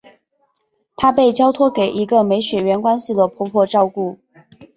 他被交托给一个没血缘关系的婆婆照顾。